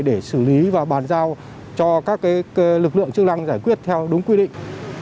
để xử lý và bàn giao cho các lực lượng chức năng giải quyết theo đúng quy định